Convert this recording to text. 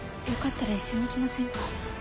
よかったら一緒に行きませんか？